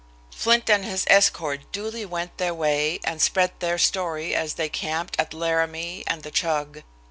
Flint and his escort duly went their way, and spread their story as they camped at Laramie and "the Chug."